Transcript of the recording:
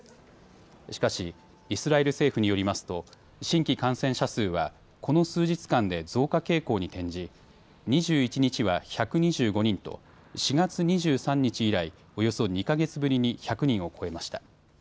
しかしイスラエル政府によりますと新規感染者数は、この数日間で増加傾向に転じ２１日は１２５人と４月２３日以来、およそ２か月ぶりに１００人を超えました。